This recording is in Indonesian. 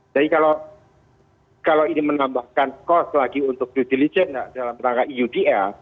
jadi kalau ini menambahkan kos lagi untuk di diligen dalam rangka iudl